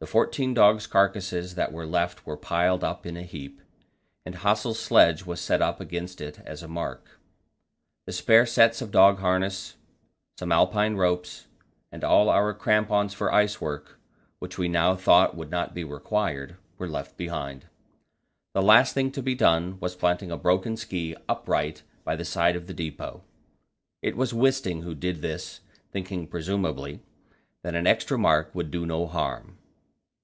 The fourteen dogs' carcasses that were left were piled up in a heap, and Hassel's sledge was set up against it as a mark. The spare sets of dog harness, some Alpine ropes, and all our crampons for ice work, which we now thought would not be required, were left behind. The last thing to be done was planting a broken ski upright by the side of the depot. It was Wisting who did this, thinking, presumably, that an extra mark would do no harm.